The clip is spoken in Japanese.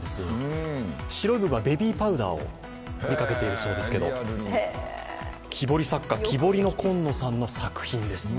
白い部分はベビーパウダーをふりかけているそうですけど木彫り作家、キボリノコンノさんの作品です。